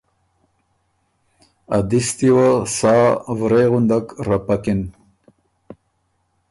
ا دِستی وه سا ورې غُندک رپکِن۔